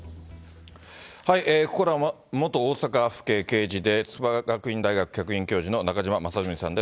ここからは元大阪府警刑事で、筑波学院大学客員教授の中島正純さんです。